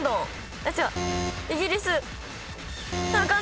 イギリス。